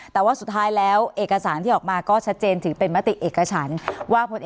แต่ว่าสุดท้ายแล้วเอกสารที่ออกมาก็ชัดเจนถือเป็นมติเอกฉันว่าผลเอก